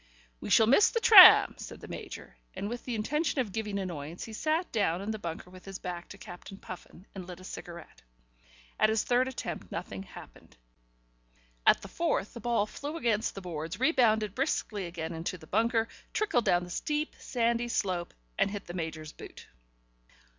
"We shall miss the tram," said the Major, and, with the intention of giving annoyance, he sat down in the bunker with his back to Captain Puffin, and lit a cigarette. At his third attempt nothing happened; at the fourth the ball flew against the boards, rebounded briskly again into the bunker, trickled down the steep, sandy slope and hit the Major's boot.